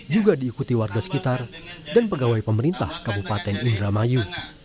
juga diikuti warga sekitar dan pegawai pemerintah kabupaten indramayu